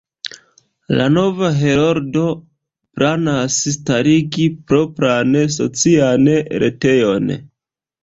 La nova Heroldo planas starigi propran socian retejon.